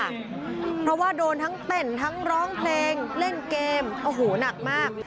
เพราะว่าโดนทั้งเต้นทั้งร้องเพลงเล่นเกมโอ้โหหนักมาก